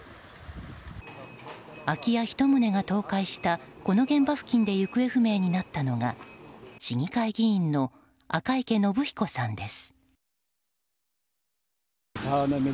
空き家１棟が倒壊したこの現場付近で行方不明になったのは市議会議員の赤池伸彦さんです。